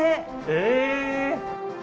え！